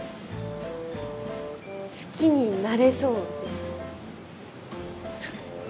好きになれそうです。